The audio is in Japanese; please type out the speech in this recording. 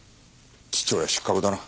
父親失格だな。